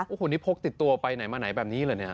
โอ้โหนี่พกติดตัวไปไหนมาไหนแบบนี้เหรอเนี่ย